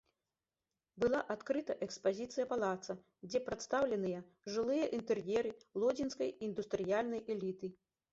Была адкрыта экспазіцыя палаца, дзе прадстаўленыя жылыя інтэр'еры лодзінскай індустрыяльнай эліты.